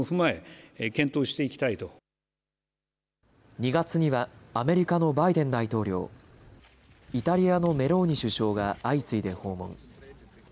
２月にはアメリカのバイデン大統領、イタリアのメローニ首相が相次いで訪問。